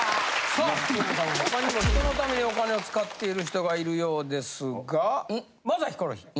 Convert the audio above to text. さあ皆さん他にも人のためにお金を使っている人がいるようですがまずはヒコロヒー。